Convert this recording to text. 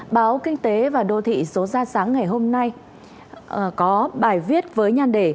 báo kinh tế và đô thị số ra sáng ngày hôm nay có bài viết với nhan đề